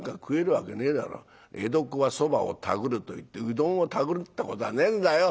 江戸っ子はそばをたぐるといってうどんをたぐるってことはねえんだよ。